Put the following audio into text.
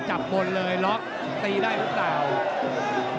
ตามต่อยกที่สองครับ